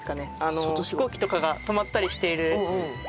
飛行機とかが止まったりしている所で。